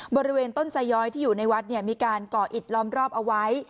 บริเวณต้นสายย้อยที่อยู่ในวัดมีการก่ออิดล้อมรอบเอาไว้